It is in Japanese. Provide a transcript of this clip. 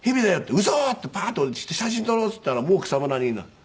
「ウソ？」ってバーッと下りてきて「写真撮ろう」って言ったらもう草むらにいない。